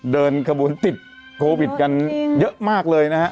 เดินขบวนติดโควิดกันเยอะมากเลยนะฮะ